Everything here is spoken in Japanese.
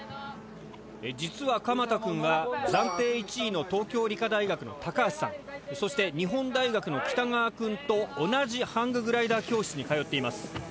実は鎌田くんは暫定１位の東京理科大学の高橋さんそして日本大学の北川くんと同じハンググライダー教室に通っています。